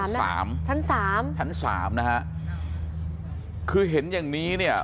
ชั้นสามชั้นสามชั้นสามนะฮะคือเห็นอย่างนี้เนี่ย